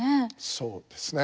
そうですね。